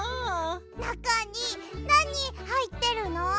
なかになにはいってるの？